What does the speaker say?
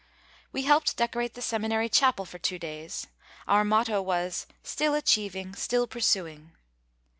We helped decorate the seminary chapel for two days. Our motto was, "Still achieving, still pursuing."